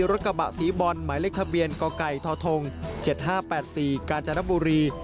รถกระบะสีบอลหมายเลขทะเบียนกไก่ทธ๗๕๘๔กาญจนบุรี